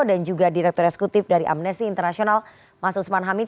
dan juga direktur ekskutif dari amnesty international mas usman hamid